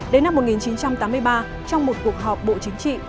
đến năm một nghìn chín trăm tám mươi ba trong một cuộc họp bộ chính trị